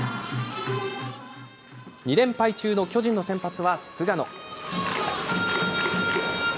２連敗中の巨人の先発は菅野。